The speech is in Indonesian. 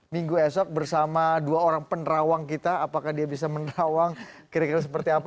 minggu esok bersama dua orang penerawang kita apakah dia bisa menerawang kira kira seperti apa